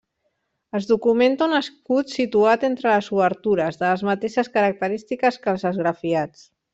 Es documenta un escut situat entre les obertures, de les mateixes característiques que els esgrafiats.